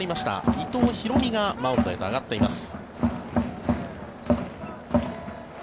伊藤大海がマウンドへと上がっています。